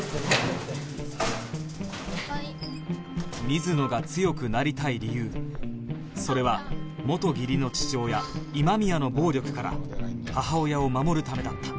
水野が強くなりたい理由それは元義理の父親今宮の暴力から母親を守るためだった